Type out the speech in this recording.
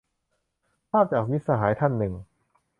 ภาพจาก มิตรสหายท่านหนึ่ง